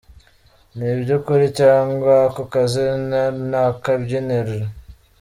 Ni iby’ukuri cyangwa ako kazina ni akabyiniriro?